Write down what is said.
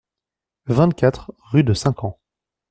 vingt-quatre rue de Cinq Ans